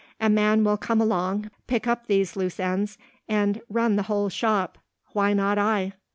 "A man will come along, pick up these loose ends, and run the whole shop. Why not I?"